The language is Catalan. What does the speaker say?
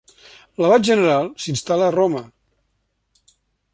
L'abat general s'instal·la a Roma.